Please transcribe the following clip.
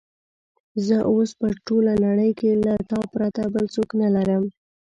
زه اوس په ټوله نړۍ کې له تا پرته بل څوک نه لرم.